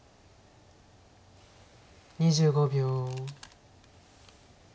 ２５秒。